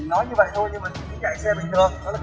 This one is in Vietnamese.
nói như vậy thôi nhưng mà cũng chạy xe bình thường nó là